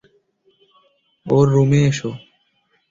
ওর রুমে এসো।